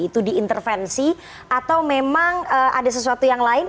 itu diintervensi atau memang ada sesuatu yang lain